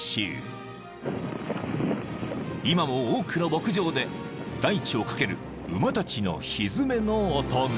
［今も多くの牧場で大地を駆ける馬たちのひづめの音が］